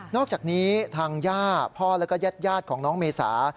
อกจากนี้ทางย่าพ่อแล้วก็ญาติของน้องเมษา